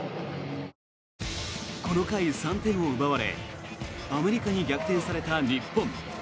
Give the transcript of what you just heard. この回、３点を奪われアメリカに逆転された日本。